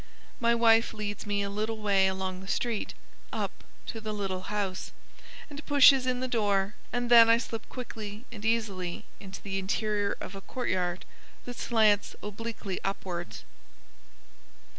My wife leads me a little way along the street up to the little house, and pushes in the door, and then I slip quickly and easily into the interior of a courtyard that slants obliquely upwards.